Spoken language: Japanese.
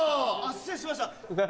失礼しました。